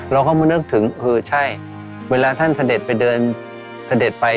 เราก็มานึกถึงเออใช่เวลาท่านเสด็จไปเดินเสด็จไป